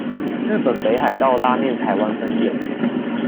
日本北海道拉麵台灣分店